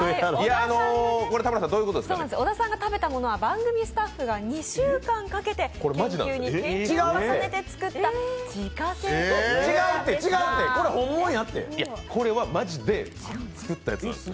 小田さんが食べたものは番組スタッフが２週間かけて研究に研究を重ねて作った自家製カットよっちゃんでした。